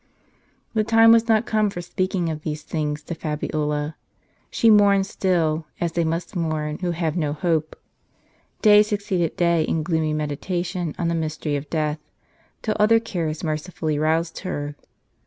The time was not come for speaking of these things to Fabiola. She mourned still, as they must mourn who have no hope. Day succeeded day in gloomy meditation on the mystery of death, till other cares mercifully roused her.